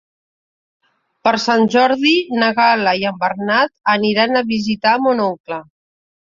Per Sant Jordi na Gal·la i en Bernat aniran a visitar mon oncle.